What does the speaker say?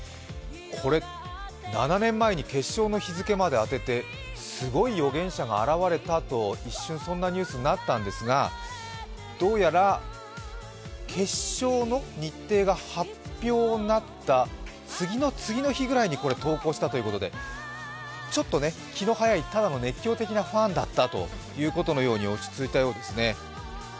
これ、７年前に決勝の日付まで当ててすごい予言者が現れたと、一瞬、そんなニュースになったんですが、どうやら決勝の日程が発表になった次の次の日ぐらいにこれ投稿したということでちょっと気の早いただの熱狂的なファンだったということのように落ち着いたようですね。